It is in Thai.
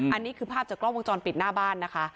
อันนี้คือภาพจากกล้องวงจรปิดหน้าบ้านนะคะ